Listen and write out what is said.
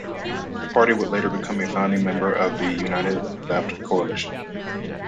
The party would later become a founding member of the United Left coalition.